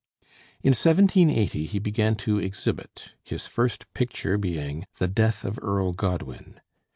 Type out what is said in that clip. In 1780 he began to exhibit, his first picture being 'The Death of Earl Godwin.'